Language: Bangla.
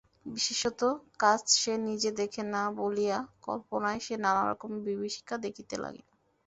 বিশেষত কাজ সে নিজে দেখে না বলিয়া কল্পনায় সে নানাপ্রকার বিভীষিকা দেখিতে লাগিল।